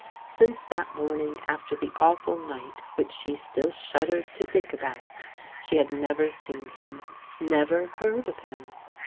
S:nre that moming after die awfid n^bt wbicfa sfae still shuddered to think about, sfae bad never seen him, ne¥cr beard of him.